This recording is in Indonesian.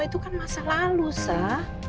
itu kan masa lalu sah